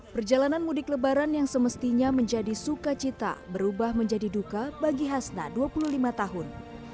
perjalanan mudik lebaran yang semestinya menjadi sukacita berubah menjadi duka bagi hasna dua puluh lima tahun